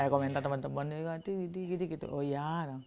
eh komentar temen temen gitu gitu oh ya